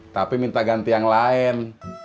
tapi minta ganti yang lain